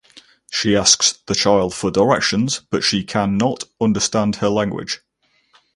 She asks the child for directions but she can not understand her language.